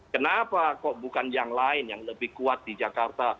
kenapa kok bukan yang lain yang lebih kuat di jakarta